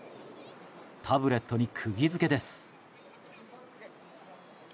タブレットに釘付けです。